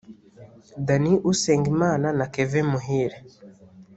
Danny Usengimana na Kevin Muhire